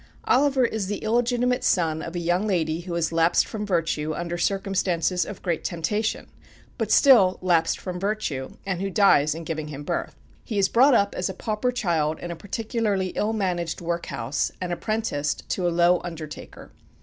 Oliver is the illegitimate son of a young lady who has lapsed from virtue under circumstances of great temptation, but still lapsed from virtue, and who dies in giving him birth. He is brought up as a pauper child in a particularly ill managed workhouse, and apprenticed to a low undertaker.